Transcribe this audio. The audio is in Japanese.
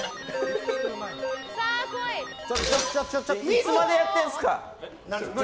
いつまでやってんすか？